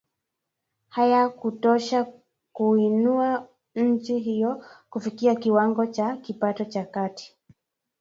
hayakutosha kuiinua nchi hiyo kufikia kiwango cha kipato cha kati